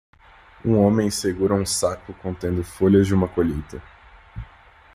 Um homem segura um saco contendo folhas de uma colheita